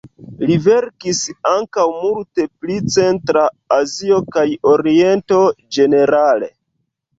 Li verkis ankaŭ multe pri Centra Azio kaj Oriento ĝenerale.